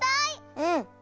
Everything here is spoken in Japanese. うん。